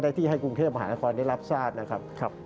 ก็ได้ที่ให้กรุงเทพส์และหมากรณ์ครอดุลรับทราบนะครับ